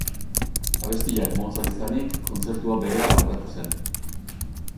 Abestiak motzak izanik, kontzertua berehala bukatu zen.